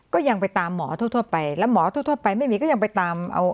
ก็ยังไปตามหมอทั่วไปแล้วหมอทั่วไปไม่มีก็ยังไปตามเอา